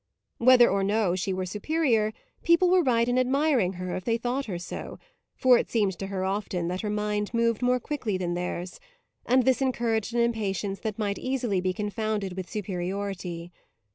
Whether or no she were superior, people were right in admiring her if they thought her so; for it seemed to her often that her mind moved more quickly than theirs, and this encouraged an impatience that might easily be confounded with superiority.